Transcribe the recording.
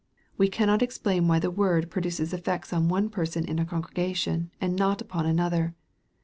We cannot explain why the word produces eifects on one person in a congre gation, and not upon another.